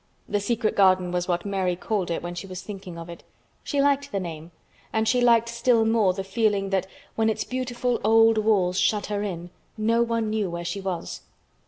The Secret Garden was what Mary called it when she was thinking of it. She liked the name, and she liked still more the feeling that when its beautiful old walls shut her in no one knew where she was.